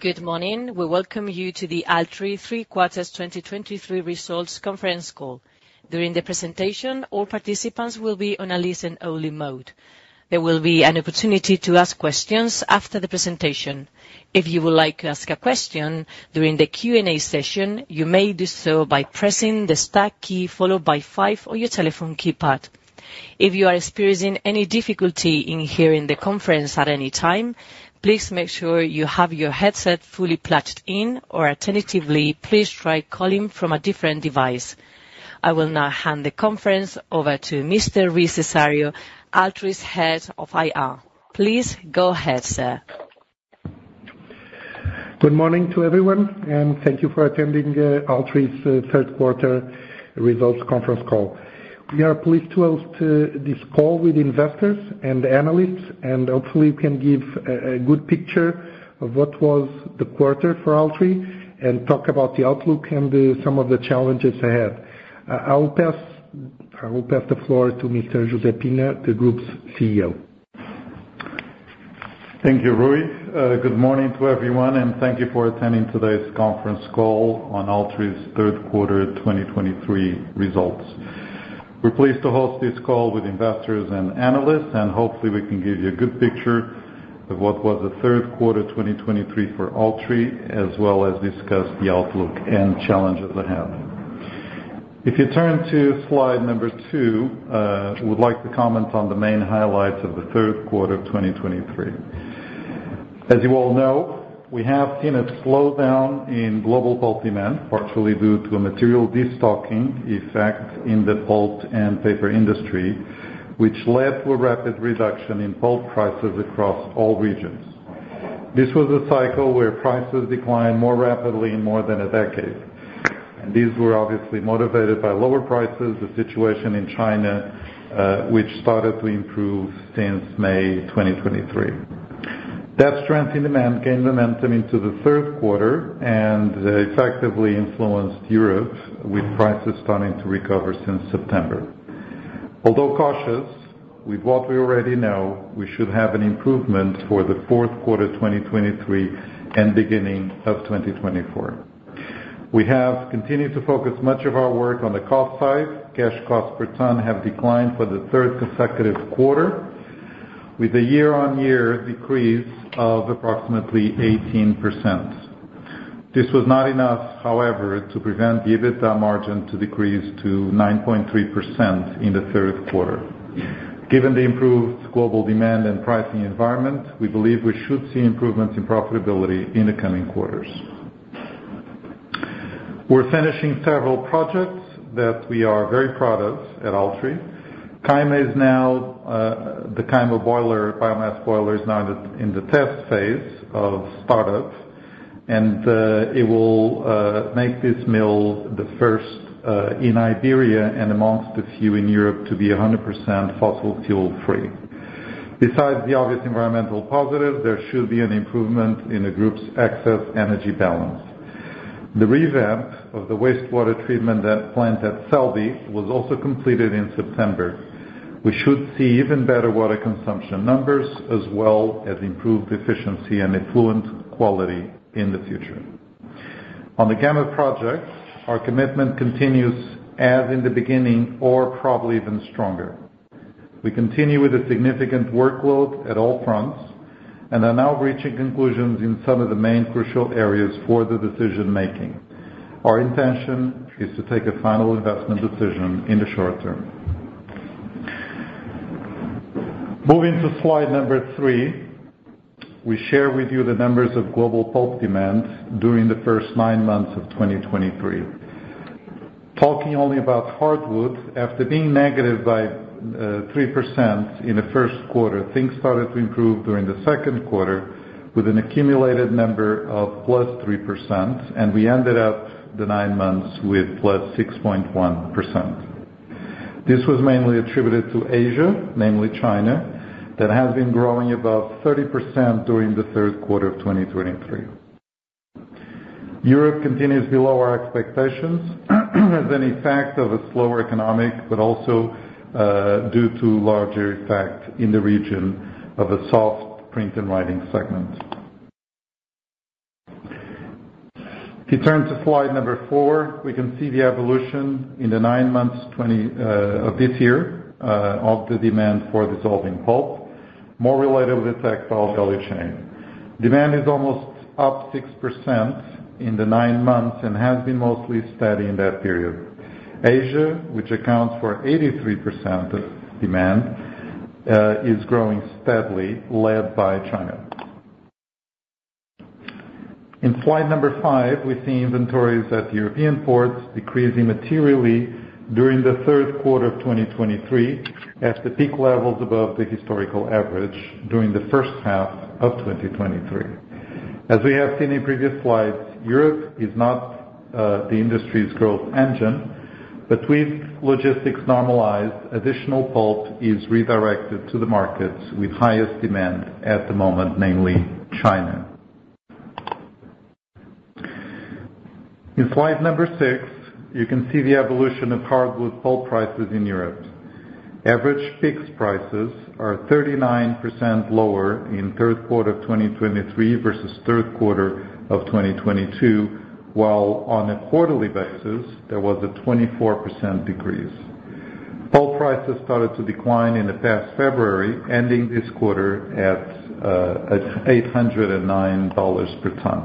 Good morning. We welcome you to the Altri Three Quarters 2023 Results Conference Call. During the presentation, all participants will be on a listen-only mode. There will be an opportunity to ask questions after the presentation. If you would like to ask a question during the Q&A session, you may do so by pressing the star key, followed by five on your telephone keypad. If you are experiencing any difficulty in hearing the conference at any time, please make sure you have your headset fully plugged in, or alternatively, please try calling from a different device. I will now hand the conference over to Mr. Rui Cesário, Altri's Head of IR. Please go ahead, sir. Good morning to everyone, and thank you for attending Altri's Q3 Results Conference Call. We are pleased to host this call with investors and analysts, and hopefully we can give a good picture of what was the quarter for Altri and talk about the outlook and some of the challenges ahead. I will pass, I will pass the floor to Mr. José Pina, the Group's CEO. Thank you, Rui. Good morning to everyone, and thank you for attending today's conference call on Altri's Q3 2023 Results. We're pleased to host this call with investors and analysts, and hopefully, we can give you a good picture of what was the Q3 2023 for Altri, as well as discuss the outlook and challenges ahead. If you turn to slide number 2, we would like to comment on the main highlights of the Q3 of 2023. As you all know, we have seen a slowdown in global pulp demand, partially due to a material destocking effect in the pulp and paper industry, which led to a rapid reduction in pulp prices across all regions. This was a cycle where prices declined more rapidly in more than a decade, and these were obviously motivated by lower prices, the situation in China, which started to improve since May 2023. That strength in demand gained momentum into the Q3 and effectively influenced Europe, with prices starting to recover since September. Although cautious, with what we already know, we should have an improvement for the Q4 2023 and beginning of 2024. We have continued to focus much of our work on the cost side. Cash costs per ton have declined for the third consecutive quarter, with a year-on-year decrease of approximately 18%. This was not enough, however, to prevent the EBITDA margin to decrease to 9.3% in the Q3. Given the improved global demand and pricing environment, we believe we should see improvements in profitability in the coming quarters. We're finishing several projects that we are very proud of at Altri. Caima is now, the Caima boiler, biomass boiler, is now in the test phase of startup, and, it will, make this mill the first, in Iberia and amongst the few in Europe to be 100% fossil fuel-free. Besides the obvious environmental positive, there should be an improvement in the group's excess energy balance. The revamp of the wastewater treatment plant at Celbi was also completed in September. We should see even better water consumption numbers, as well as improved efficiency and effluent quality in the future. On the Gama project, our commitment continues as in the beginning or probably even stronger. We continue with a significant workload at all fronts and are now reaching conclusions in some of the main crucial areas for the decision-making. Our intention is to take a final investment decision in the short term. Moving to slide number three, we share with you the numbers of global pulp demand during the first nine months of 2023. Talking only about hardwood, after being negative by 3% in the Q1, things started to improve during the Q3 with an accumulated number of +3%, and we ended up the nine months with +6.1%. This was mainly attributed to Asia, namely China, that has been growing above 30% during the Q3 of 2023. Europe continues below our expectations, as an effect of a slower economic, but also, due to larger effect in the region of a soft print and writing segment. If you turn to slide number 4, we can see the evolution in the nine months 2023 of this year of the demand for dissolving pulp, more related with the textile value chain. Demand is almost up 6% in the nine months and has been mostly steady in that period. Asia, which accounts for 83% of demand, is growing steadily, led by China. In slide number 5, we see inventories at European ports decreasing materially during the Q3 of 2023 at the peak levels above the historical average during the first half of 2023. As we have seen in previous slides, Europe is not the industry's growth engine, but with logistics normalized, additional pulp is redirected to the markets with highest demand at the moment, namely China. In slide number six, you can see the evolution of hardwood pulp prices in Europe. Average fixed prices are 39% lower in Q3 of 2023 versus Q3 of 2022, while on a quarterly basis, there was a 24% decrease. Pulp prices started to decline in the past February, ending this quarter at $809 per ton.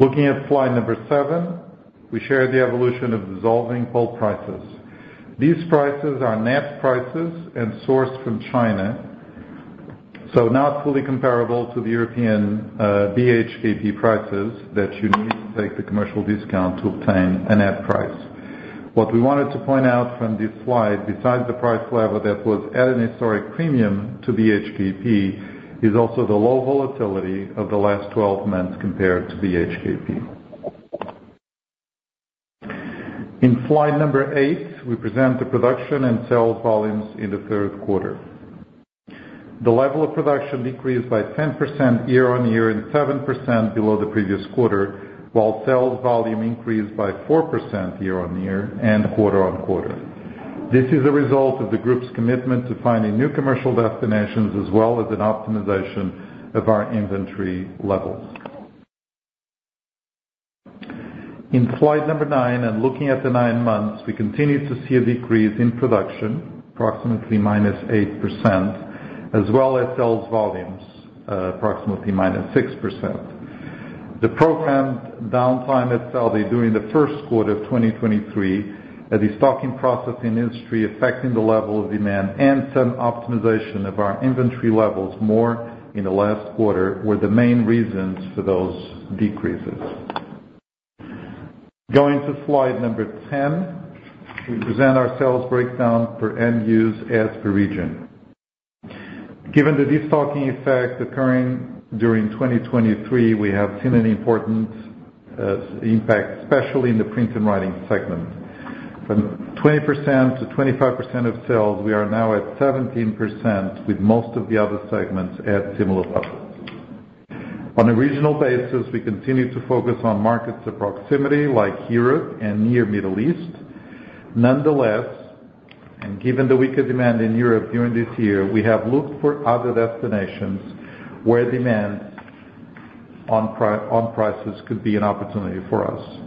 Looking at slide number seven, we share the evolution of dissolving pulp prices. These prices are net prices and sourced from China, so not fully comparable to the European BHKP prices that you need to take the commercial discount to obtain a net price. What we wanted to point out from this slide, besides the price level that was at an historic premium to BHKP, is also the low volatility of the last 12 months compared to BHKP. In slide number eight, we present the production and sales volumes in the Q3. The level of production decreased by 10% year-on-year and 7% below the previous quarter, while sales volume increased by 4% year-on-year and quarter-on-quarter. This is a result of the group's commitment to finding new commercial destinations as well as an optimization of our inventory levels. In slide number nine, and looking at the nine months, we continue to see a decrease in production, approximately -8%, as well as sales volumes, approximately -6%. The programmed downtime at Celtejo during the Q1 of 2023, as the stocking process in the industry affecting the level of demand and some optimization of our inventory levels more in the last quarter, were the main reasons for those decreases. Going to slide number 10, we present our sales breakdown for end use as per region. Given the destocking effects occurring during 2023, we have seen an important impact, especially in the print and writing segment. From 20% to 25% of sales, we are now at 17%, with most of the other segments at similar levels. On a regional basis, we continue to focus on markets of proximity, like Europe and Near Middle East. Nonetheless, and given the weaker demand in Europe during this year, we have looked for other destinations where demand on prices could be an opportunity for us.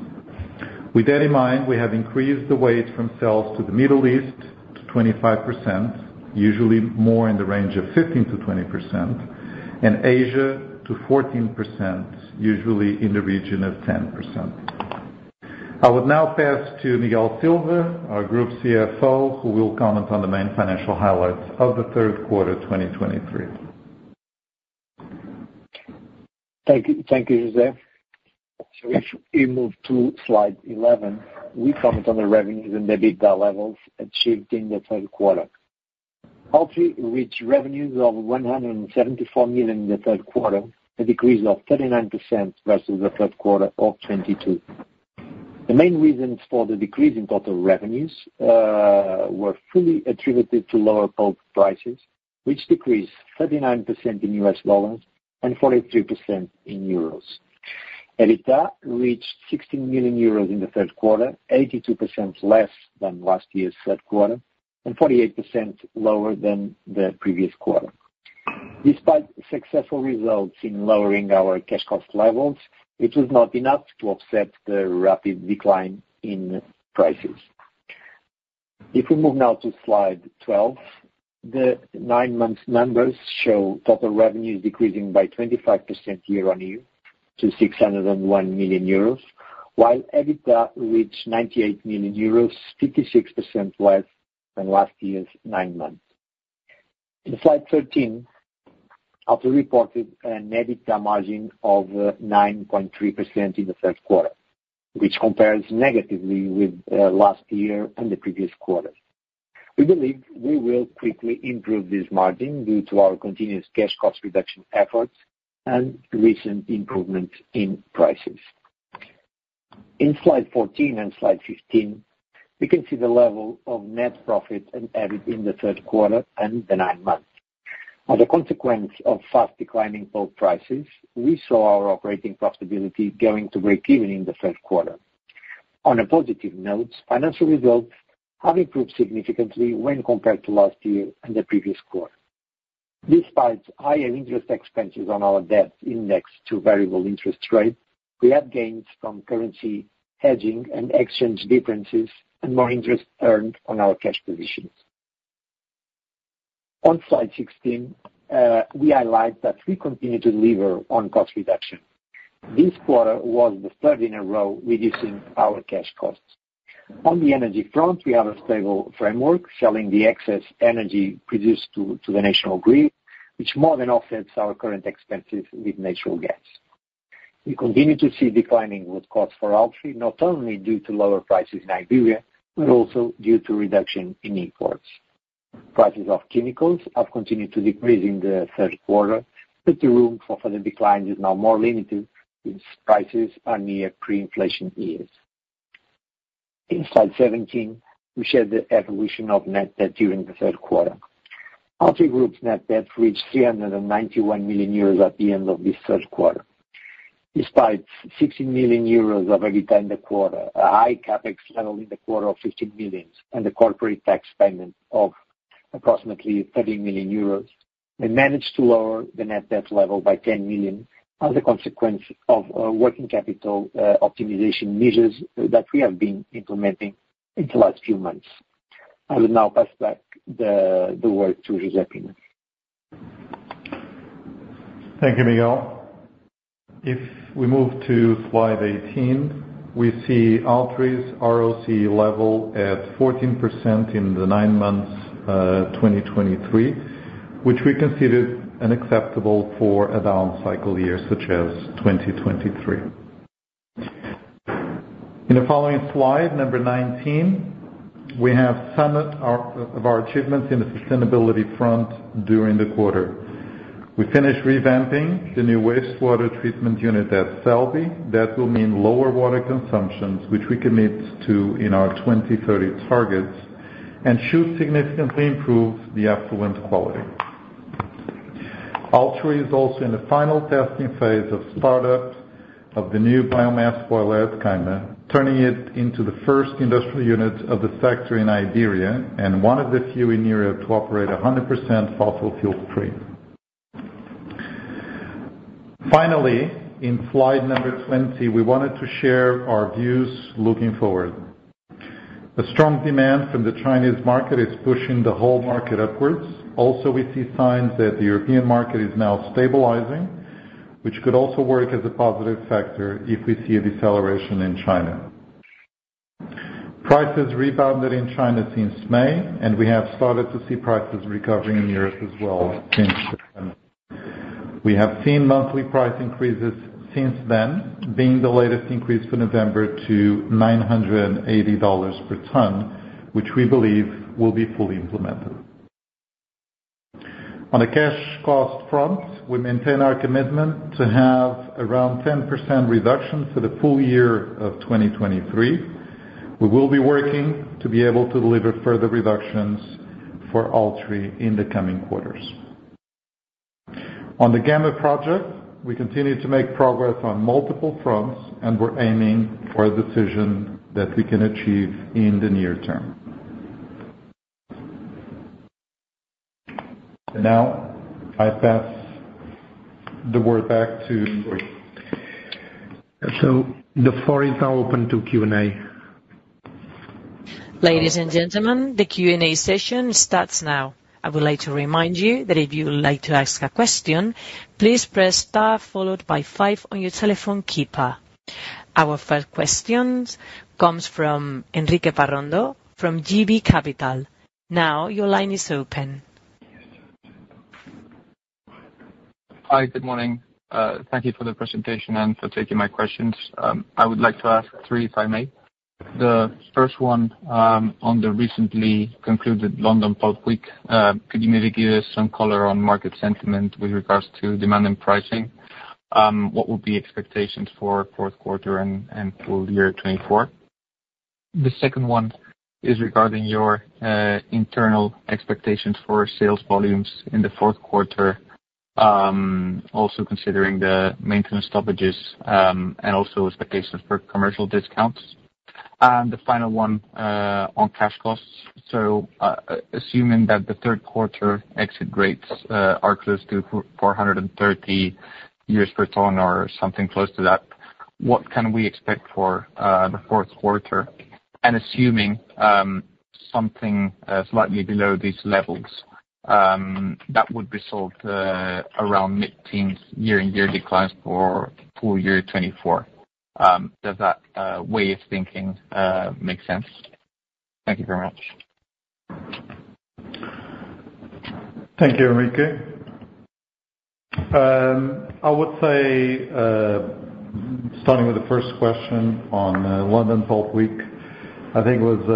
With that in mind, we have increased the weight from sales to the Middle East to 25%, usually more in the range of 15%-20%, and Asia to 14%, usually in the region of 10%. I would now pass to Miguel Silva, our Group CFO, who will comment on the main financial highlights of the Q3, 2023. Thank you. Thank you, José. So if we move to slide 11, we comment on the revenues and the EBITDA levels achieved in the Q3. Ultimately, reached revenues of 174 million in the Q3, a decrease of 39% versus the Q3 of 2022. The main reasons for the decrease in total revenues were fully attributed to lower pulp prices, which decreased 39% in US dollars and 43% in euros. EBITDA reached 60 million euros in the Q3, 82% less than last year's Q3 and 48% lower than the previous quarter. Despite successful results in lowering our cash cost levels, it was not enough to offset the rapid decline in prices. If we move now to slide 12, the nine-month numbers show total revenues decreasing by 25% year-on-year to 601 million euros, while EBITDA reached 98 million euros, 56% less than last year's nine months. In slide 13, after reported an EBITDA margin of 9.3% in the Q3, which compares negatively with last year and the previous quarter. We believe we will quickly improve this margin due to our continuous cash cost reduction efforts and recent improvement in prices. In slide 14 and slide 15, we can see the level of net profit and EBIT in the Q3 and the nine months. As a consequence of fast declining pulp prices, we saw our operating profitability going to break even in the Q3. On a positive note, financial results have improved significantly when compared to last year and the previous quarter. Despite higher interest expenses on our debt index to variable interest rates, we have gained some currency hedging and exchange differences and more interest earned on our cash positions. On slide 16, we highlight that we continue to deliver on cost reduction. This quarter was the third in a row, reducing our cash costs. On the energy front, we have a stable framework, selling the excess energy produced to the national grid, which more than offsets our current expenses with natural gas. We continue to see declining wood costs for Altri, not only due to lower prices in Iberia, but also due to reduction in imports. Prices of chemicals have continued to decrease in the Q3, but the room for further decline is now more limited, since prices are near pre-inflation years. In slide 17, we share the evolution of net debt during the Q3. Altri Group's net debt reached 391 million euros at the end of this Q3. Despite 60 million euros of EBITDA in the quarter, a high CapEx level in the quarter of 15 million, and the corporate tax payment of approximately 30 million euros, we managed to lower the net debt level by 10 million as a consequence of working capital optimization measures that we have been implementing in the last few months. I will now pass back the, the word to José Soares de Pina. Thank you, Miguel. If we move to slide 18, we see Altri's ROCE level at 14% in the nine months, 2023, which we considered unacceptable for a down cycle year, such as 2023. In the following slide, number 19, we have summed our, of our achievements in the sustainability front during the quarter. We finished revamping the new wastewater treatment unit at Celbi. That will mean lower water consumptions, which we commit to in our 2030 targets, and should significantly improve the effluent quality. Altri is also in the final testing phase of startup of the new biomass boiler at Caima, turning it into the first industrial unit of the factory in Iberia, and one of the few in Europe to operate 100% fossil fuel-free. Finally, in slide number 20, we wanted to share our views looking forward. The strong demand from the Chinese market is pushing the whole market upwards. Also, we see signs that the European market is now stabilizing, which could also work as a positive factor if we see a deceleration in China. Prices rebounded in China since May, and we have started to see prices recovering in Europe as well since then. We have seen monthly price increases since then, being the latest increase for November to $980 per ton, which we believe will be fully implemented. On a cash cost front, we maintain our commitment to have around 10% reduction for the full year of 2023. We will be working to be able to deliver further reductions for Altri in the coming quarters. On the Gama project, we continue to make progress on multiple fronts, and we're aiming for a decision that we can achieve in the near term. Now, I pass the word back to you. The floor is now open to Q&A. Ladies and gentlemen, the Q&A session starts now. I would like to remind you that if you would like to ask a question, please press star followed by five on your telephone keypad. Our first question comes from Enrique Parrondo from JB Capital. Now, your line is open. Hi, good morning. Thank you for the presentation and for taking my questions. I would like to ask three, if I may. The first one, on the recently concluded London Pulp Week. Could you maybe give us some color on market sentiment with regards to demand and pricing? What would be expectations for Q4 and full year 2024? The second one is regarding your internal expectations for sales volumes in the Q4, also considering the maintenance stoppages, and also expectations for commercial discounts. The final one, on cash costs. So, assuming that the Q3 exit rates are close to 430 euros per ton or something close to that, what can we expect for the Q4? Assuming something slightly below these levels, that would result around mid-teens year-and-year declines for full year 2024. Does that way of thinking make sense? Thank you very much. Thank you, Enrique. I would say, starting with the first question on London Pulp Week, I think it was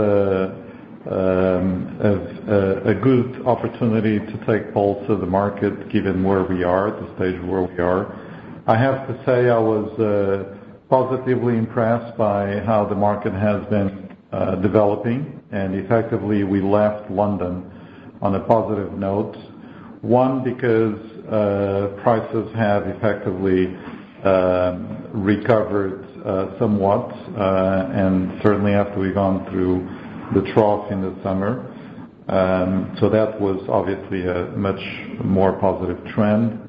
a good opportunity to take pulse of the market, given where we are, the stage of where we are. I have to say, I was positively impressed by how the market has been developing. And effectively, we left London on a positive note. One, because prices have effectively recovered somewhat, and certainly after we've gone through the trough in the summer. So that was obviously a much more positive trend.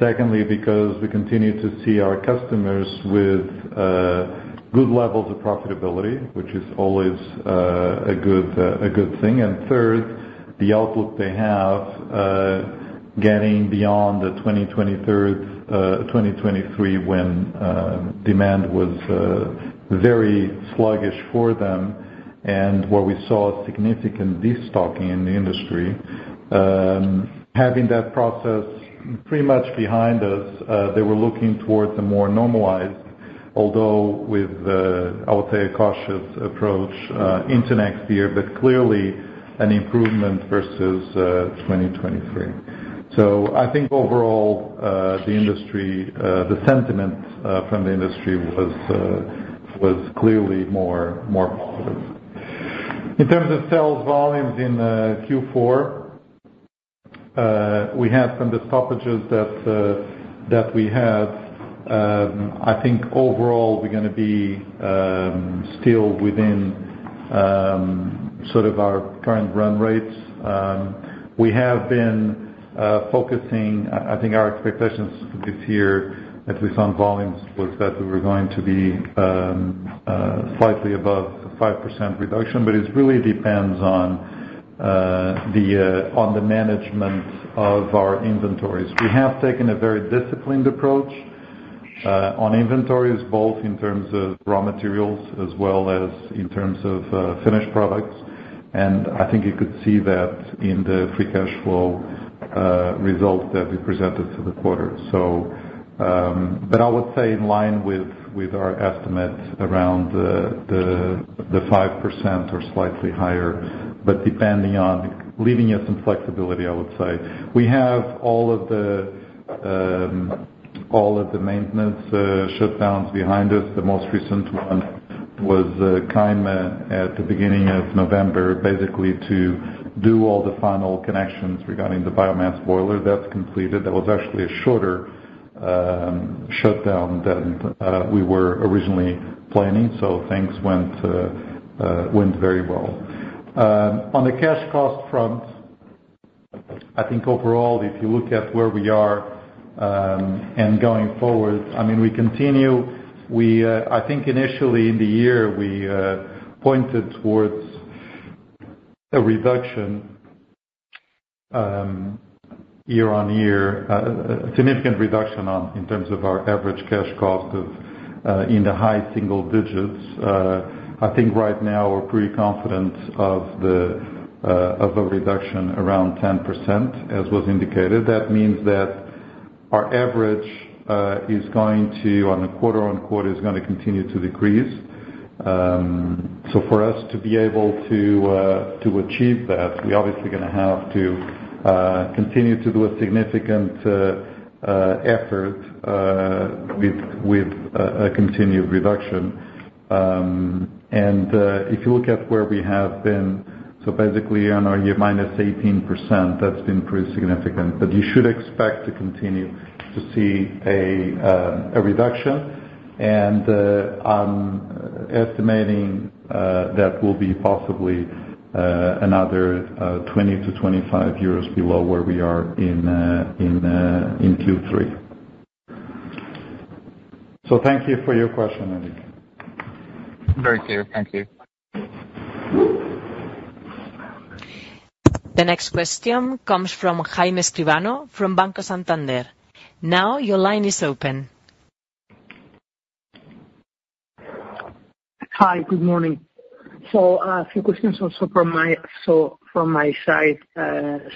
Secondly, because we continue to see our customers with good levels of profitability, which is always a good thing. And third, the outlook they have, getting beyond the 2023, when demand was very sluggish for them, and where we saw significant destocking in the industry. Having that process pretty much behind us, they were looking towards a more normalized, although with, I would say, a cautious approach, into next year, but clearly an improvement versus 2023. So I think overall, the industry, the sentiment from the industry was clearly more positive. In terms of sales volumes in Q4. We have from the stoppages that we had, I think overall, we're gonna be still within sort of our current run rates. We have been focusing, I think our expectations this year, at least on volumes, was that we were going to be slightly above the 5% reduction. But it really depends on the management of our inventories. We have taken a very disciplined approach on inventories, both in terms of raw materials as well as in terms of finished products. And I think you could see that in the free cash flow results that we presented for the quarter. So, but I would say in line with our estimates around the 5% or slightly higher, but depending on leaving us some flexibility, I would say. We have all of the maintenance shutdowns behind us. The most recent one was kind at the beginning of November, basically to do all the final connections regarding the biomass boiler. That's completed. That was actually a shorter shutdown than we were originally planning, so things went very well. On the cash cost front, I think overall, if you look at where we are, and going forward, I mean, we continue - we, I think initially in the year, we pointed towards a reduction year-on-year. A significant reduction on, in terms of our average cash cost of in the high single digits. I think right now we're pretty confident of a reduction around 10%, as was indicated. That means that our average is going to, on a quarter-on-quarter, is gonna continue to decrease. So, for us to be able to achieve that, we're obviously gonna have to continue to do a significant effort with a continued reduction. And if you look at where we have been, so basically on our year -18%, that's been pretty significant. But you should expect to continue to see a reduction, and I'm estimating that will be possibly another 20-25 euros below where we are in Q3. So thank you for your question, Eric. Very clear. Thank you. The next question comes from Jaime Escribano from Banco Santander. Now, your line is open. Hi, good morning. So, a few questions also from my, so from my side,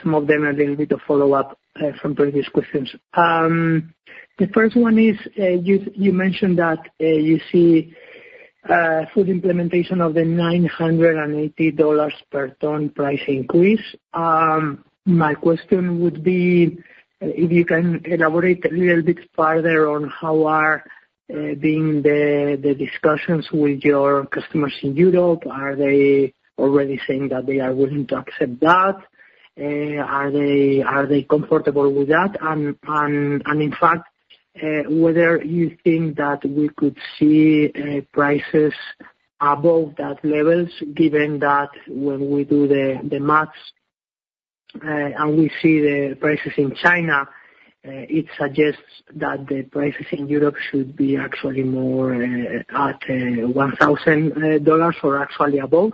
some of them a little bit of follow-up, from previous questions. The first one is, you mentioned that, you see, full implementation of the $980 per ton price increase. My question would be, if you can elaborate a little bit further on how are being the, the discussions with your customers in Europe, are they already saying that they are willing to accept that? Are they, are they comfortable with that? In fact, whether you think that we could see prices above that levels, given that when we do the math, and we see the prices in China, it suggests that the prices in Europe should be actually more at $1,000 or actually above.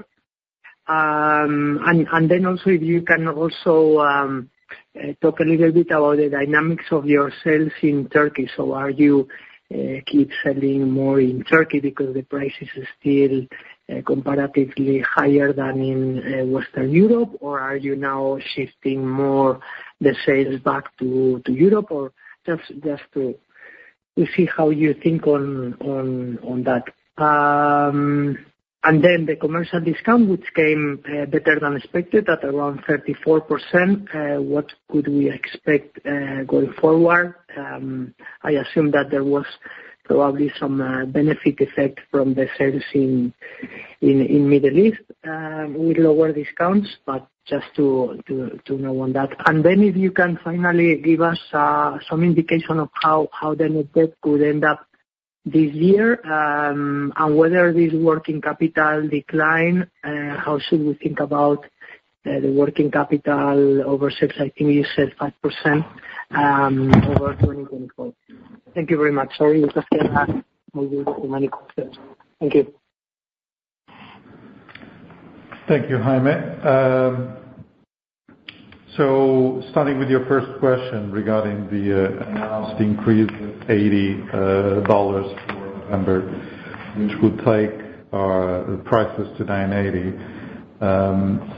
Then also, if you can also talk a little bit about the dynamics of your sales in Turkey. So are you keep selling more in Turkey because the price is still comparatively higher than in Western Europe? Or are you now shifting more the sales back to Europe? Or just to see how you think on that. And then the commercial discount, which came better than expected, at around 34%, what could we expect going forward? I assume that there was probably some benefit effect from the sales in the Middle East with lower discounts, but just to know on that. And then if you can finally give us some indication of how the net debt could end up this year, and whether this working capital decline, how should we think about the working capital over six? I think you said 5% over 2024. Thank you very much. Sorry, it was maybe many questions. Thank you. Thank you, Jaime. So starting with your first question regarding the announced increase of $80 for November, which would take our prices to $980.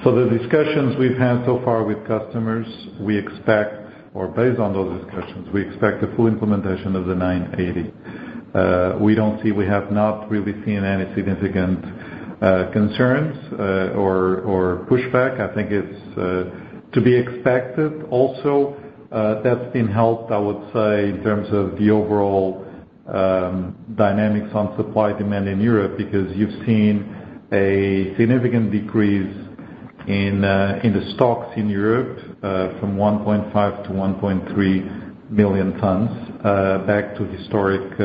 So the discussions we've had so far with customers, we expect or based on those discussions, we expect the full implementation of the $980. We don't see, we have not really seen any significant concerns or pushback. I think it's to be expected also, that's been helped, I would say, in terms of the overall dynamics on supply demand in Europe, because you've seen a significant decrease in the stocks in Europe, from 1.5 to 1.3 million tons, back to historic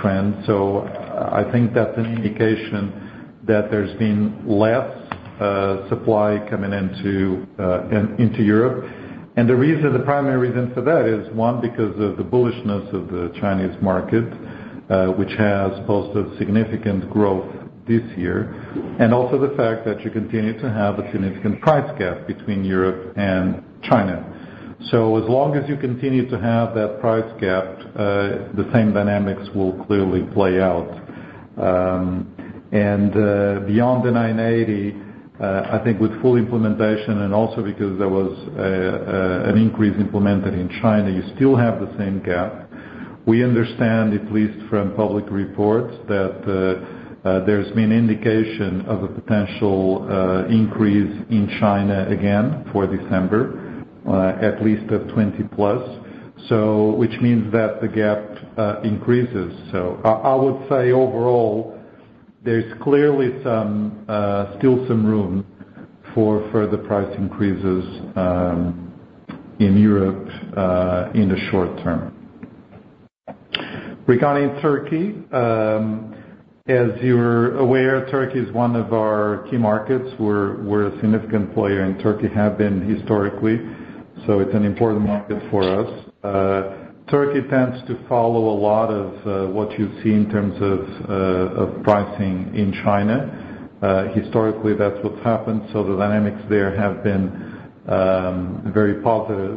trends. So I think that's an indication that there's been less supply coming into Europe. The reason, the primary reason for that is, one, because of the bullishness of the Chinese market, which has posted significant growth this year, and also the fact that you continue to have a significant price gap between Europe and China. So as long as you continue to have that price gap, the same dynamics will clearly play out. Beyond the $980, I think with full implementation, and also because there was an increase implemented in China, you still have the same gap. We understand, at least from public reports, that there's been indication of a potential increase in China again for December, at least of $20+, so which means that the gap increases. So I would say overall, there's clearly some still some room for further price increases in Europe in the short term. Regarding Turkey, as you're aware, Turkey is one of our key markets. We're a significant player in Turkey, have been historically, so it's an important market for us. Turkey tends to follow a lot of what you see in terms of pricing in China. Historically, that's what's happened, so the dynamics there have been very positive.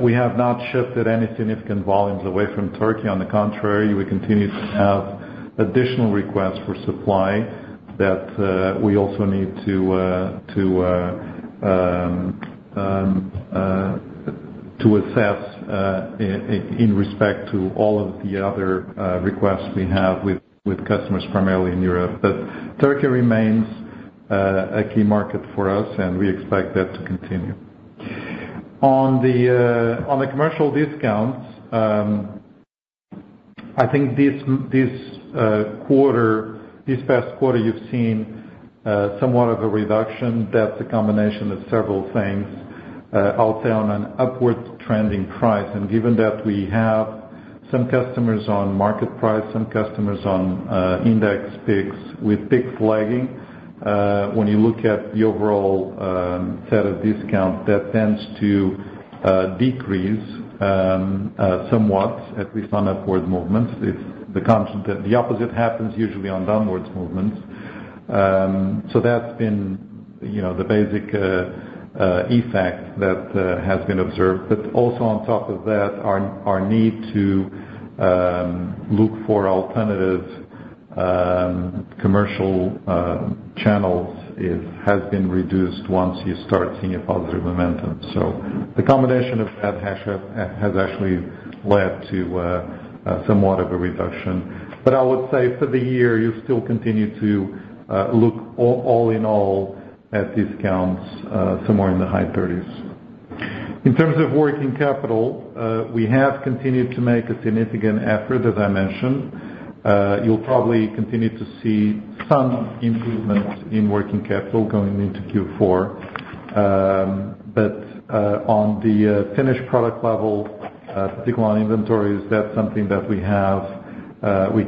We have not shifted any significant volumes away from Turkey. On the contrary, we continue to have additional requests for supply that we also need to assess in respect to all of the other requests we have with customers, primarily in Europe. But Turkey remains a key market for us, and we expect that to continue. On the commercial discounts, I think this quarter, this past quarter, you've seen somewhat of a reduction. That's a combination of several things out there on an upward trending price. And given that we have some customers on market price, some customers on index picks, with picks lagging, when you look at the overall set of discounts, that tends to decrease somewhat, at least on upward movements. It's the constant, the opposite happens usually on downward movements. So that's been, you know, the basic effect that has been observed. But also on top of that, our need to look for alternative commercial channels has been reduced once you start seeing a positive momentum. So the combination of that has actually led to somewhat of a reduction. But I would say for the year, you still continue to look all in all at discounts somewhere in the high thirties. In terms of working capital, we have continued to make a significant effort, as I mentioned. You'll probably continue to see some improvements in working capital going into Q4. But on the finished product level, particularly on inventories, that's something that we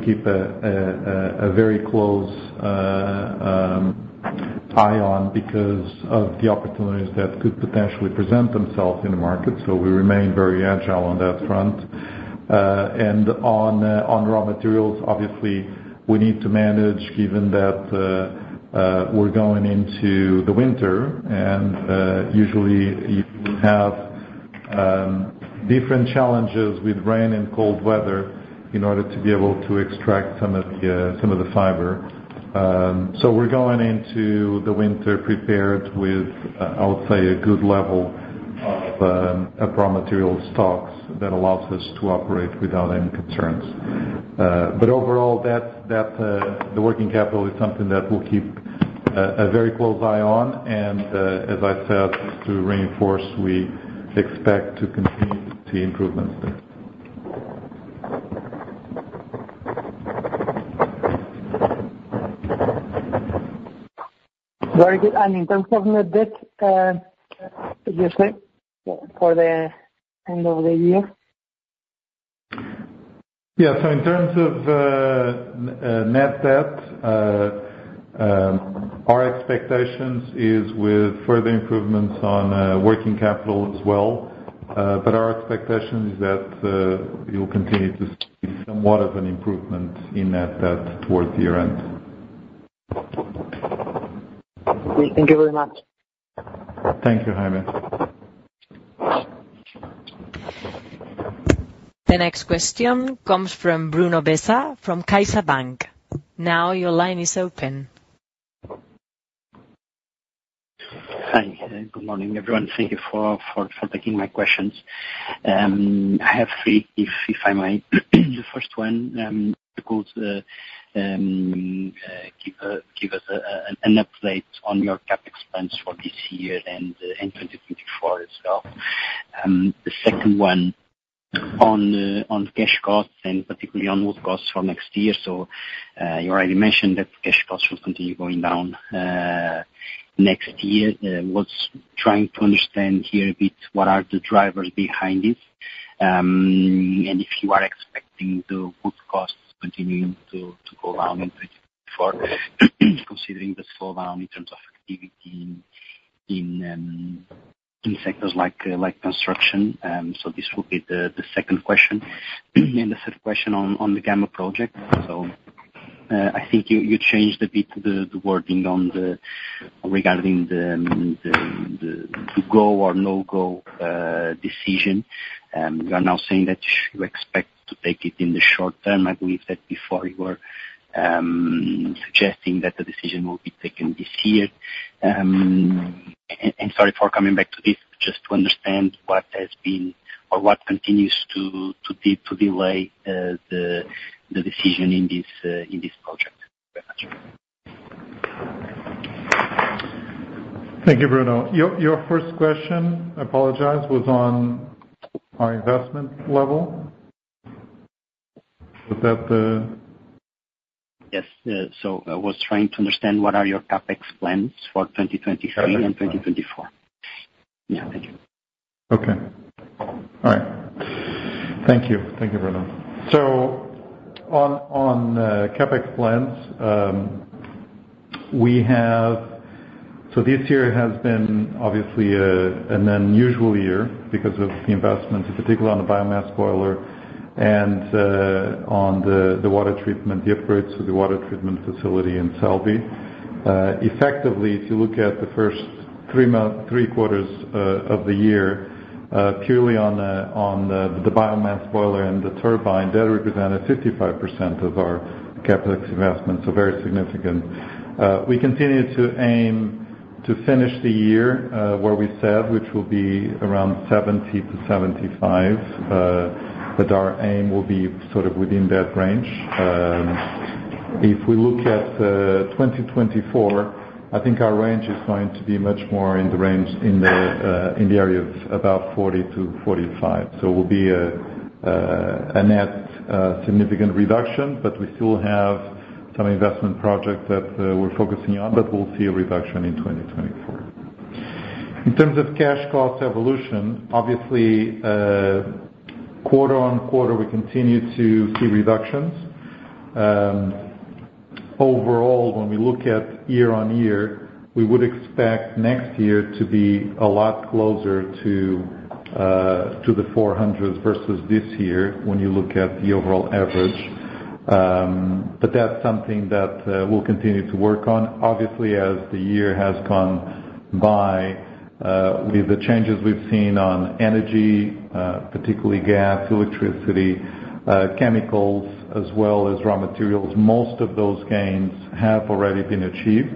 keep a very close eye on, because of the opportunities that could potentially present themselves in the market, so we remain very agile on that front. And on raw materials, obviously, we need to manage, given that we're going into the winter, and usually you have different challenges with rain and cold weather in order to be able to extract some of the fiber. So we're going into the winter prepared with, I would say, a good level of raw material stocks that allows us to operate without any concerns. But overall, that the working capital is something that we'll keep a very close eye on. As I said, to reinforce, we expect to continue to see improvements there. Very good. In terms of net debt, obviously for the end of the year? Yeah, so in terms of net debt, our expectations is with further improvements on working capital as well. But our expectation is that you'll continue to see somewhat of an improvement in net debt towards the year end. Thank you very much. Thank you, Jaime. The next question comes from Bruno Bessa, from CaixaBank. Now your line is open. Hi, good morning, everyone. Thank you for taking my questions. I have three, if I may. The first one, to give us an update on your CapEx plans for this year and in 2024 as well.. The second one on cash costs, and particularly on wood costs for next year. So, you already mentioned that cash costs will continue going down next year. Was trying to understand here a bit, what are the drivers behind it? And if you are expecting the wood costs continuing to go down in 2024, considering the slowdown in terms of activity in sectors like construction. So this will be the second question.g And the third question on the Gama project. So, I think you changed a bit the wording on the regarding the go or no-go decision. You are now saying that you expect to take it in the short term. I believe that before you were suggesting that the decision will be taken this year. And sorry for coming back to this, just to understand what has been or what continues to delay the decision in this project. Very much. Thank you, Bruno. Your first question, I apologize, was on our investment level. Was that the- Yes. So I was trying to understand what are your CapEx plans for 2023 and 2024? Yeah, thank you. Okay. All right. Thank you. Thank you, Bruno. So on CapEx plans, we have. So this year has been obviously an unusual year because of the investment, in particular on the biomass boiler and on the water treatment, the upgrades to the water treatment facility in Celtejo. Effectively, if you look at the first three quarters of the year, purely on the biomass boiler and the turbine, that represented 55% of our CapEx investment, so very significant. We continue to aim to finish the year where we said, which will be around 70-75, but our aim will be sort of within that range. If we look at 2024, I think our range is going to be much more in the range in the area of about 40-45. So it will be a net significant reduction, but we still have some investment projects that we're focusing on, but we'll see a reduction in 2024. In terms of cash cost evolution, obviously, quarter-on-quarter, we continue to see reductions. Overall, when we look at year-on-year, we would expect next year to be a lot closer to 400 versus this year, when you look at the overall average. But that's something that we'll continue to work on. Obviously, as the year has gone by, with the changes we've seen on energy, particularly gas, electricity, chemicals, as well as raw materials, most of those gains have already been achieved.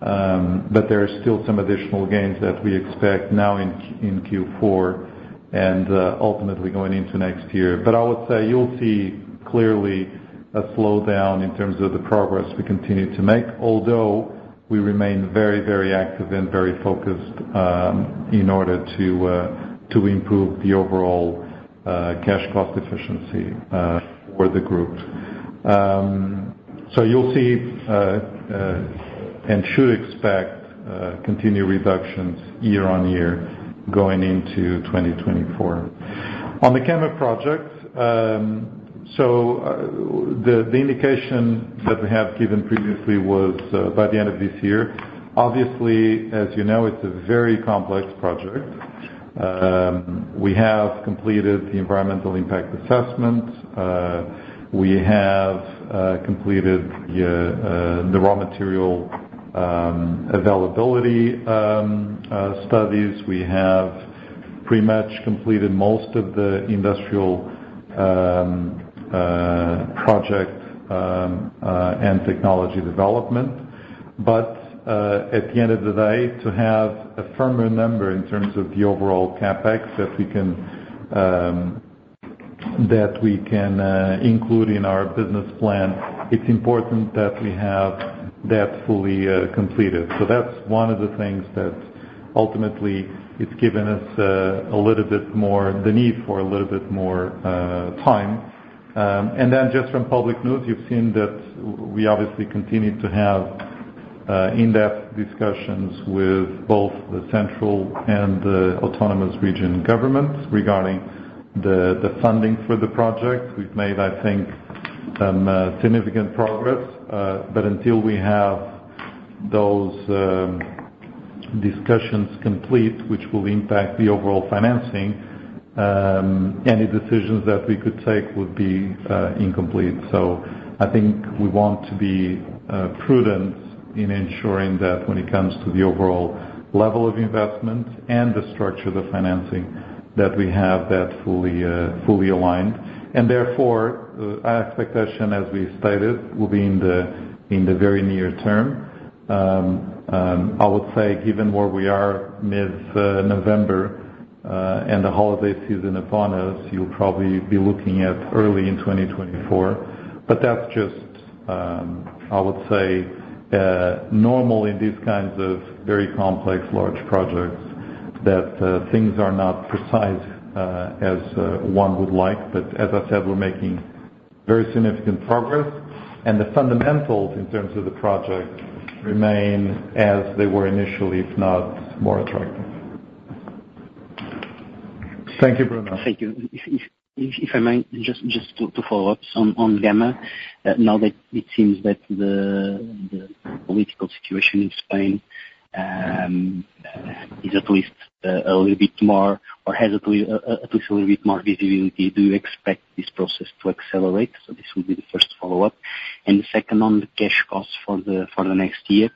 But there are still some additional gains that we expect now in Q4 and ultimately going into next year. But I would say you'll see clearly a slowdown in terms of the progress we continue to make, although we remain very, very active and very focused in order to improve the overall cash cost efficiency for the group. So you'll see and should expect continued reductions year-on-year going into 2024. On the Gama project, the indication that we have given previously was by the end of this year. Obviously, as you know, it's a very complex project. We have completed the environmental impact assessment, we have completed the raw material availability studies. We have pretty much completed most of the industrial project and technology development. But at the end of the day, to have a firmer number in terms of the overall CapEx, that we can include in our business plan, it's important that we have that fully completed. So that's one of the things that ultimately is giving us a little bit more, the need for a little bit more time. And then just from public news, you've seen that we obviously continue to have in-depth discussions with both the central and the autonomous region governments regarding the funding for the project. We've made, I think, some significant progress, but until we have those discussions complete, which will impact the overall financing, any decisions that we could take would be incomplete. So I think we want to be prudent in ensuring that when it comes to the overall level of investment and the structure of the financing, that we have that fully aligned. And therefore, our expectation, as we stated, will be in the very near term. I would say given where we are, mid-November, and the holiday season upon us, you'll probably be looking at early in 2024, but that's just- I would say normal in these kinds of very complex, large projects, that things are not precise as one would like. But as I said, we're making very significant progress, and the fundamentals in terms of the project remain as they were initially, if not more attractive. Thank you, Bruno. Thank you. If I may, just to follow up on Gama, now that it seems that the political situation in Spain is at least a little bit more or has at least a little bit more visibility, do you expect this process to accelerate? So this will be the first follow-up. And the second, on the cash costs for the next year,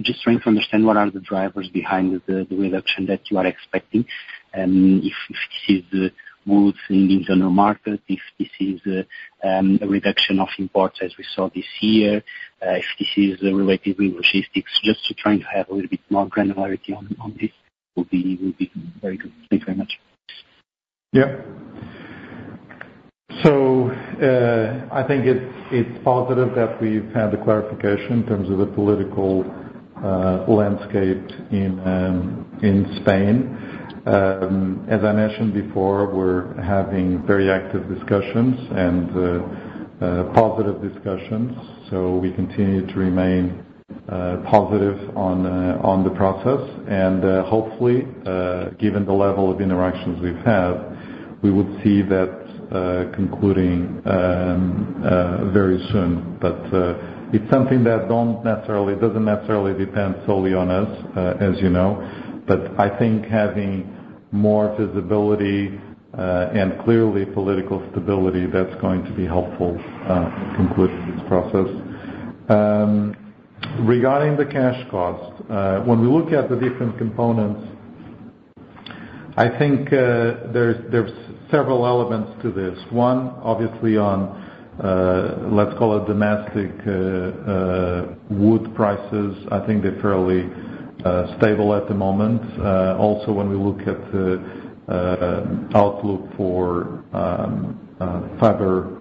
just trying to understand what are the drivers behind the reduction that you are expecting, and if this is the wood costs in the general market, if this is a reduction of imports as we saw this year, if this is related to logistics, just trying to have a little bit more granularity on this would be very good. Thank you very much. Yeah. So, I think it's positive that we've had the clarification in terms of the political landscape in Spain. As I mentioned before, we're having very active discussions and positive discussions, so we continue to remain positive on the process. And hopefully, given the level of interactions we've had, we would see that concluding very soon. But it's something that doesn't necessarily depend solely on us, as you know. But I think having more visibility and clearly political stability, that's going to be helpful to conclude this process. Regarding the cash costs, when we look at the different components, I think there's several elements to this. One, obviously on, let's call it domestic, wood prices, I think they're fairly, stable at the moment. Also, when we look at the, outlook for, fiber,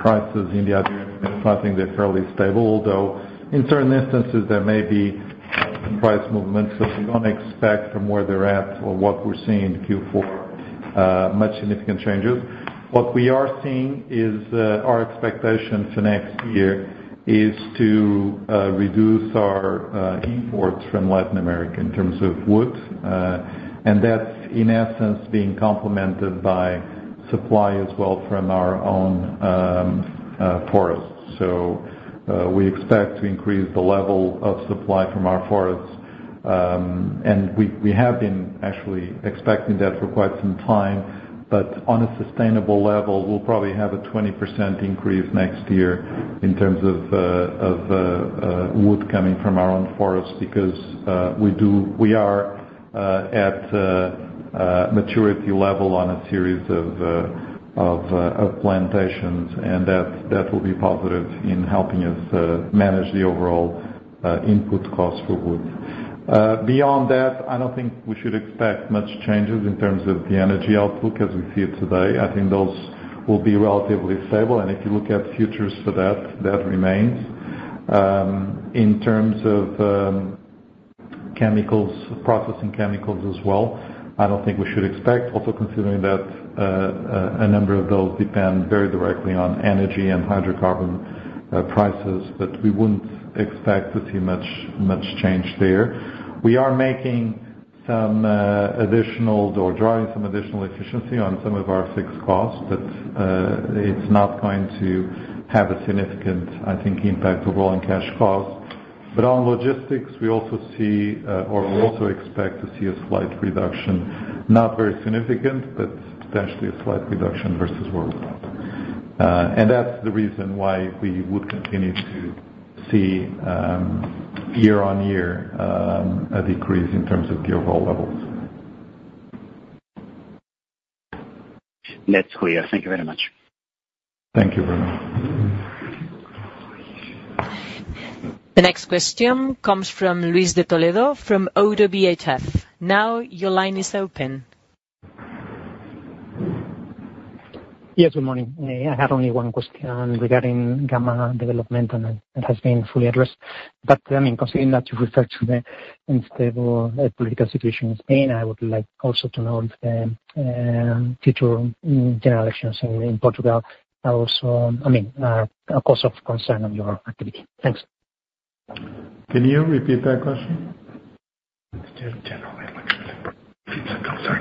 prices in the Iberian, I think they're fairly stable, although in certain instances there may be some price movements. So we don't expect from where they're at or what we're seeing in Q4, much significant changes. What we are seeing is, our expectation for next year is to, reduce our, imports from Latin America in terms of wood. And that's in essence being complemented by supply as well from our own, forests. So, we expect to increase the level of supply from our forests. And we have been actually expecting that for quite some time, but on a sustainable level, we'll probably have a 20% increase next year in terms of wood coming from our own forests, because we are at a maturity level on a series of plantations, and that will be positive in helping us manage the overall input costs for wood. Beyond that, I don't think we should expect much changes in terms of the energy outlook as we see it today. I think those will be relatively stable, and if you look at futures for that, that remains. In terms of chemicals, processing chemicals as well, I don't think we should expect, also considering that, a number of those depend very directly on energy and hydrocarbon prices, but we wouldn't expect to see much, much change there. We are making some additional or driving some additional efficiency on some of our fixed costs, but it's not going to have a significant, I think, impact overall on cash costs. But on logistics, we also see or we also expect to see a slight reduction. Not very significant, but potentially a slight reduction versus where we were. And that's the reason why we would continue to see year-on-year a decrease in terms of the overall levels. That's clear. Thank you very much. Thank you, Bruno. The next question comes from Luis de Toledo from ODDO BHF. Now, your line is open. Yes, good morning. I have only one question regarding Gama development, and it has been fully addressed. But, I mean, considering that you referred to the unstable political situation in Spain, I would like also to know if the future generations in Portugal are also, I mean, are a cause of concern on your activity. Thanks. Can you repeat that question? General election. I'm sorry.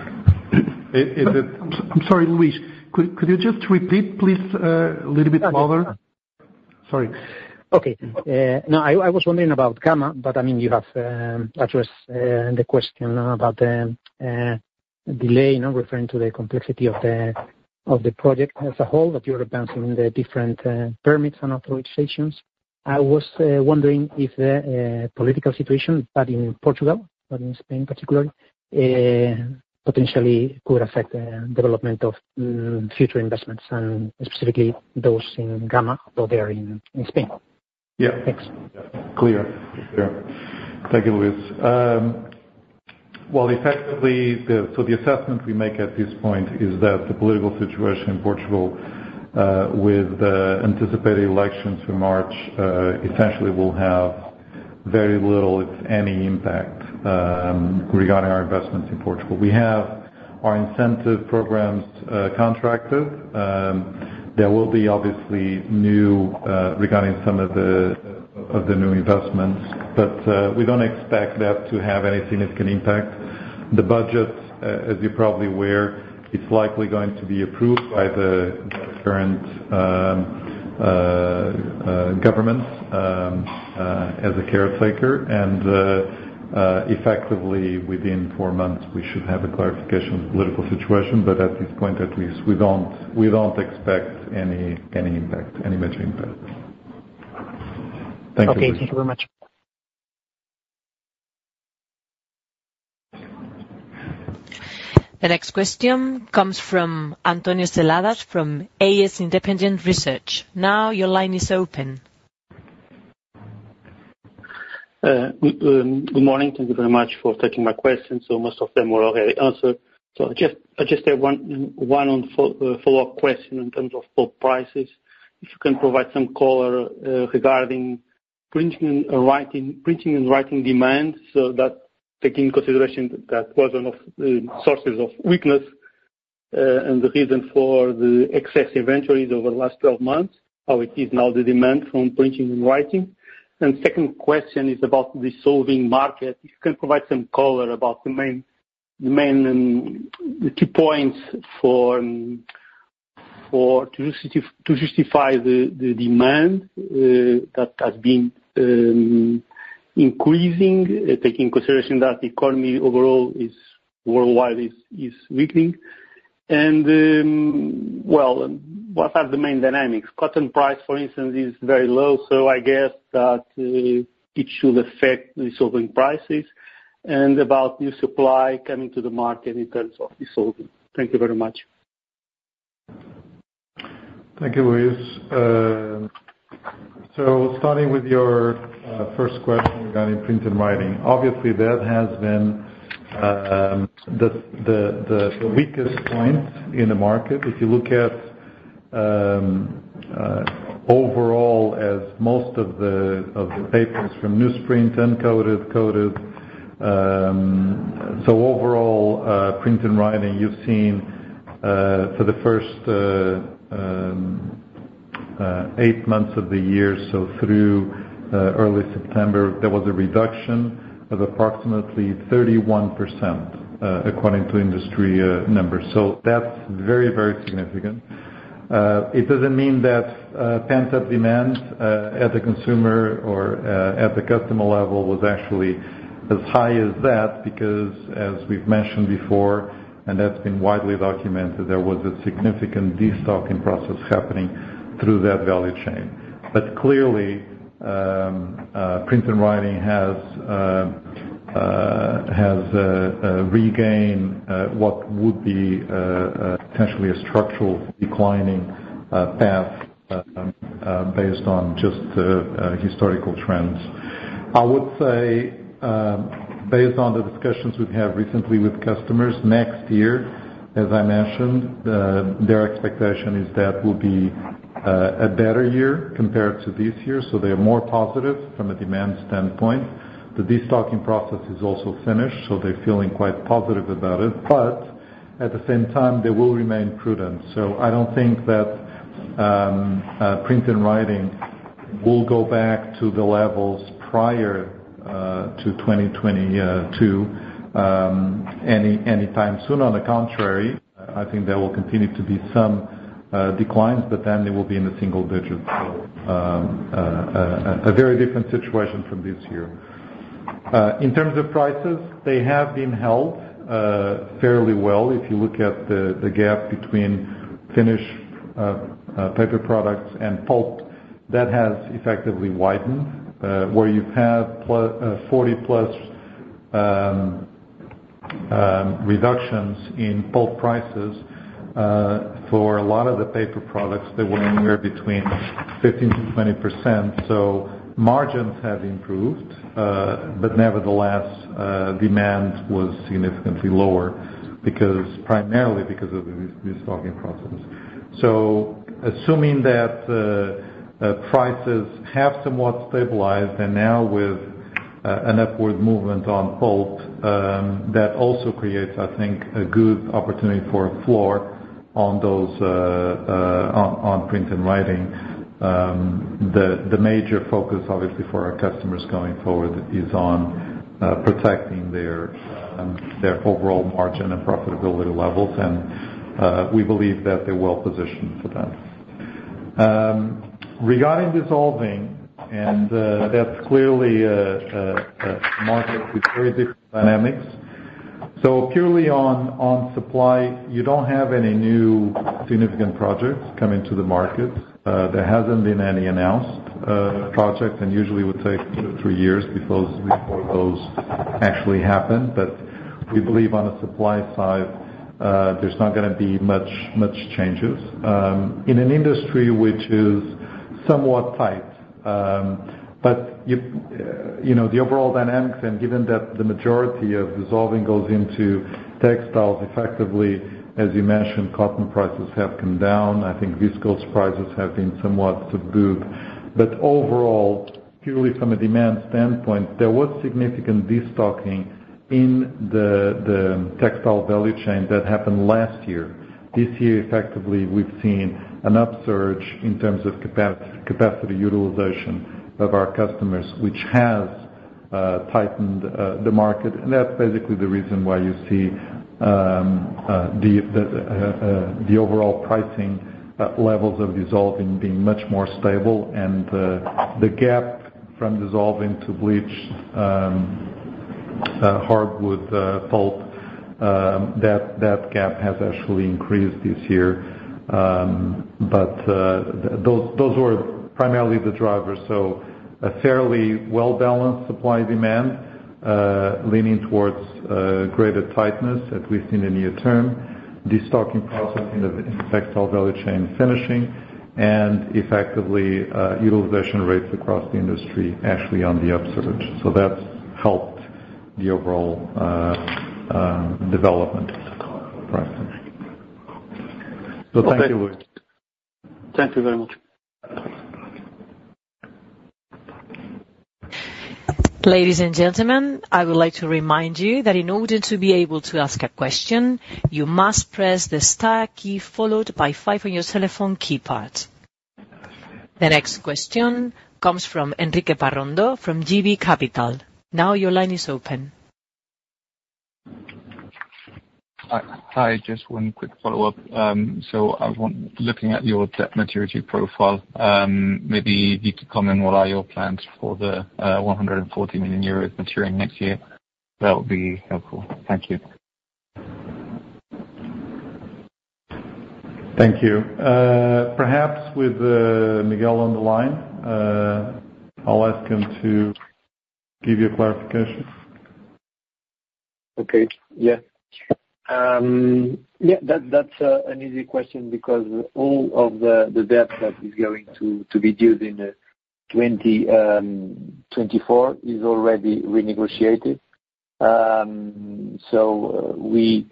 Is it- I'm sorry, Lui]s. Could, could you just repeat, please, a little bit louder? Sorry. Okay. No, I was wondering about Gama, but I mean, you have addressed the question about the delay, now referring to the complexity of the project as a whole, that you are advancing the different permits and authorizations. I was wondering if the political situation, but in Portugal, but in Spain particularly, potentially could affect the development of future investments, and specifically those in Gama, though they are in Spain. Yeah. Thanks. Clear. Clear. Thank you, Luis. Well, effectively, so the assessment we make at this point is that the political situation in Portugal, with the anticipated elections in March, essentially will have very little, if any, impact, regarding our investments in Portugal. We have our incentive programs, contracted. There will be obviously new, regarding some of the new investments, but we don't expect that to have any significant impact. The budget, as you're probably aware, it's likely going to be approved by the current government, as a caretaker, and effectively, within four months, we should have a clarification of the political situation. But at this point, at least, we don't expect any impact, any major impact. Thank you. Okay, thank you very much. The next question comes from Antonio Seladas, from AS Independent Research. Now your line is open. Good morning. Thank you very much for taking my question. Most of them were already answered. Just, I just have one follow-up question in terms of pulp prices. If you can provide some color regarding printing and writing demand, taking into consideration that was one of the sources of weakness and the reason for the excess inventories over the last 12 months, how it is now, the demand from printing and writing. And second question is about the dissolving market. If you can provide some color about the main and the key points to justify the demand that has been increasing, taking into consideration that the economy overall is worldwide weakening. What are the main dynamics? Cotton price, for instance, is very low, so I guess that it should affect the dissolving prices, and about new supply coming to the market in terms of dissolving. Thank you very much. Thank you, Luis. Starting with your first question regarding print and writing. Obviously, that has been the weakest point in the market. If you look at overall, as most of the papers from newsprint, uncoated, coated. Overall, print and writing, you've seen for the first eight months of the year, so through early September, there was a reduction of approximately 31% according to industry numbers. So that's very, very significant. It doesn't mean that pent-up demand at the consumer or at the customer level was actually as high as that, because as we've mentioned before, and that's been widely documented, there was a significant destocking process happening through that value chain. But clearly, print and writing has regained what would be potentially a structural declining path based on just historical trends. I would say, based on the discussions we've had recently with customers, next year, as I mentioned, their expectation is that will be a better year compared to this year, so they are more positive from a demand standpoint. The destocking process is also finished, so they're feeling quite positive about it. But at the same time, they will remain prudent. So I don't think that print and writing will go back to the levels prior to 2022 anytime soon. On the contrary, I think there will continue to be some declines, but then they will be in the single digits. A very different situation from this year. In terms of prices, they have been held fairly well. If you look at the gap between finished paper products and pulp, that has effectively widened, where you've had 40+ reductions in pulp prices. For a lot of the paper products, they were anywhere between 15%-20%, so margins have improved. But nevertheless, demand was significantly lower, because primarily because of the destocking process. So assuming that prices have somewhat stabilized, and now with an upward movement on pulp, that also creates, I think, a good opportunity for a floor on those print and writing. The major focus, obviously, for our customers going forward is on protecting their overall margin and profitability levels, and we believe that they're well positioned for that. Regarding dissolving, that's clearly a market with very different dynamics. So purely on supply, you don't have any new significant projects coming to the market. There hasn't been any announced project, and usually it would take 2-3 years before those actually happen. But we believe on the supply side, there's not gonna be much changes. But you know, the overall dynamics, and given that the majority of dissolving goes into textiles effectively, as you mentioned, cotton prices have come down. I think viscose prices have been somewhat subdued. But overall, purely from a demand standpoint, there was significant destocking in the textile value chain that happened last year. This year, effectively, we've seen an upsurge in terms of capacity utilization of our customers, which has tightened the market. And that's basically the reason why you see the overall pricing levels of dissolving being much more stable. And the gap from dissolving to bleached hardwood pulp, that gap has actually increased this year. But those were primarily the drivers. So a fairly well-balanced supply-demand leaning towards greater tightness, at least in the near term. Destocking processing of textile value chain finishing, and effectively utilization rates across the industry actually on the upsurge. So that's helped the overall development of prices. So thank you. Thank you very much. Ladies and gentlemen, I would like to remind you that in order to be able to ask a question, you must press the star key, followed by five on your telephone keypad. The next question comes from Enrique Parrondo, from GB Capital. Now your line is open. Hi, just one quick follow-up. So I want, looking at your debt maturity profile, maybe if you could comment, what are your plans for the 140 million euros maturing next year? That would be helpful. Thank you. Thank you. Perhaps with Miguel on the line, I'll ask him to give you a clarification. Okay. Yeah. Yeah, that's an easy question because all of the, the debt that is going to, to be due in 2024 is already renegotiated. So we,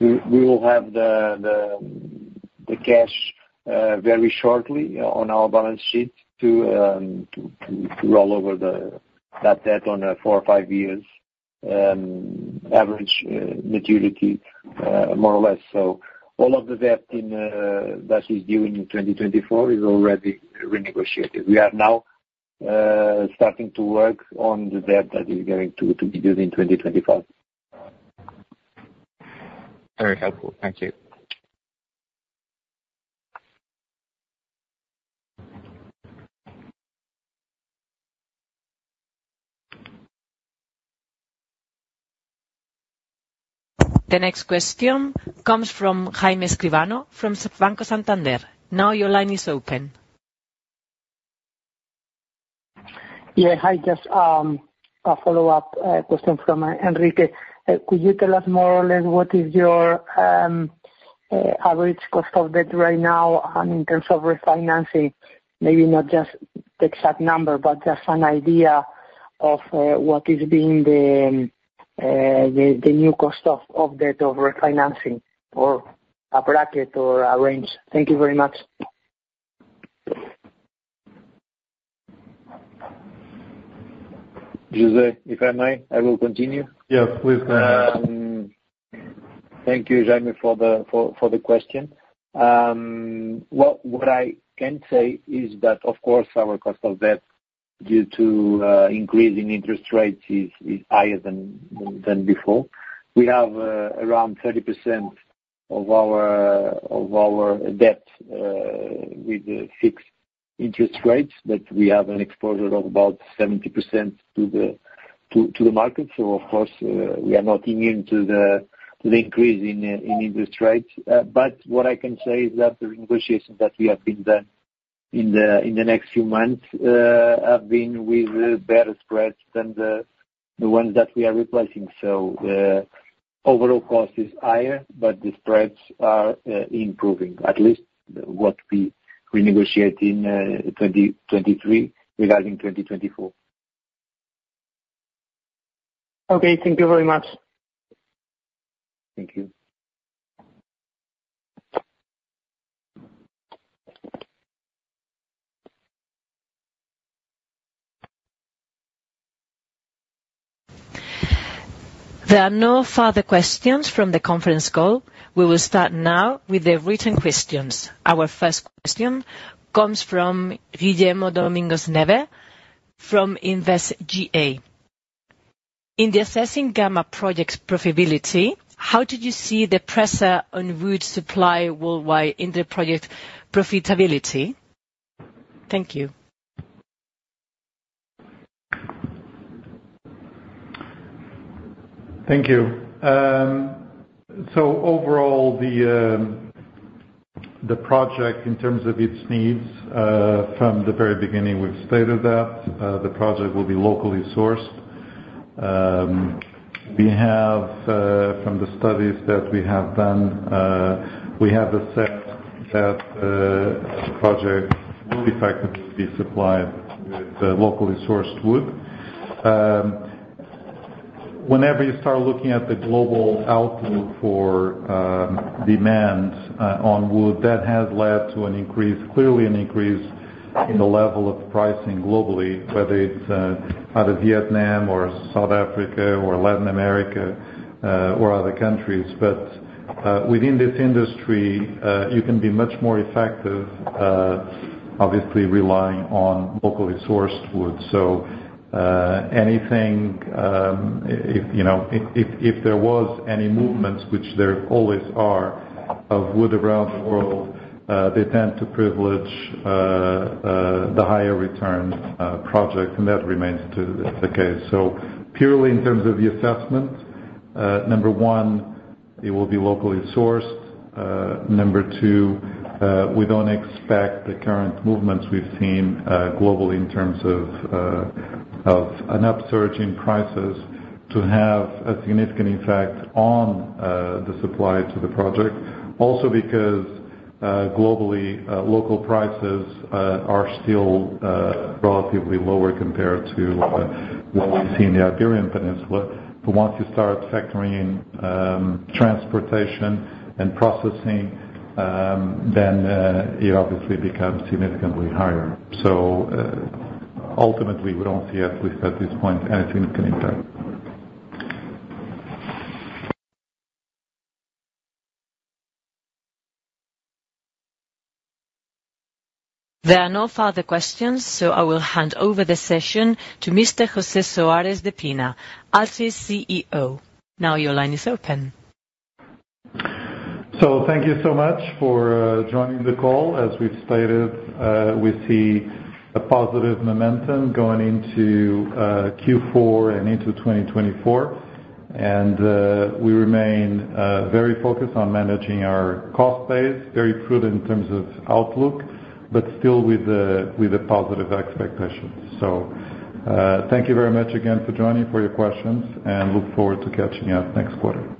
we, we will have the, the, the cash very shortly on our balance sheet to, to, to roll over the, that debt on a four or five years average maturity, more or less. So all of the debt in that is due in 2024 is already renegotiated. We are now starting to work on the debt that is going to, to be due in 2025. Very helpful. Thank you. The next question comes from Jaime Escribano, from Banco Santander. Now your line is open. Yeah. Hi, just a follow-up question from Enrique. Could you tell us more or less what is your average cost of debt right now in terms of refinancing? Maybe not just the exact number, but just an idea of what is being the new cost of debt over refinancing, or a bracket or a range. Thank you very much. José, if I may, I will continue. Yes, please go ahead. Thank you, Jaime, for the question. What I can say is that, of course, our cost of debt due to increasing interest rates is higher than before. We have around 30% of our debt with the fixed interest rates, but we have an exposure of about 70% to the market. So of course, we are not immune to the increase in interest rates. But what I can say is that the negotiations that we have been done in the next few months have been with better spreads than the ones that we are replacing. So, overall cost is higher, but the spreads are improving. At least what we renegotiate in 2023, regarding 2024. Okay. Thank you very much. Thank you. There are no further questions from the conference call. We will start now with the written questions. Our first question comes from Guillermo Dominguez Neve, from Investiga. In the assessing Gama project's profitability, how did you see the pressure on wood supply worldwide in the project profitability? Thank you. Thank you. So overall, the project in terms of its needs, from the very beginning, we've stated that, the project will be locally sourced. We have, from the studies that we have done, we have assessed that, the project will effectively be supplied with, locally sourced wood. Whenever you start looking at the global outlook for demand on wood, that has led to an increase, clearly an increase in the level of pricing globally, whether it's out of Vietnam or South Africa or Latin America, or other countries. But within this industry, you can be much more effective, obviously relying on locally sourced wood. So, anything, if, you know, if, if there was any movements, which there always are, of wood around the world, they tend to privilege, the higher return, project, and that remains to the case. So purely in terms of the assessment, number one, it will be locally sourced. Number two, we don't expect the current movements we've seen, globally in terms of, of an upsurge in prices, to have a significant impact on, the supply to the project. Also because, globally, local prices, are still, relatively lower compared to what we see in the Iberian Peninsula. But once you start factoring in, transportation and processing, then, it obviously becomes significantly higher. So, ultimately, we don't see, at least at this point, anything can impact. There are no further questions, so I will hand over the session to Mr. José Soares de Pina, Altri's CEO. Now your line is open. So thank you so much for joining the call. As we've stated, we see a positive momentum going into Q4 and into 2024. And we remain very focused on managing our cost base, very prudent in terms of outlook, but still with a positive expectation. So thank you very much again for joining, for your questions, and look forward to catching you up next quarter.